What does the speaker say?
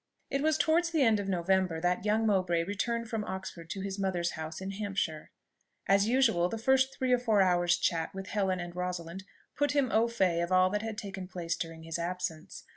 It was towards the end of November that young Mowbray returned from Oxford to his mother's house in Hampshire. As usual, the first three or four hours' chat with Helen and Rosalind put him au fait of all that had taken place during his absence.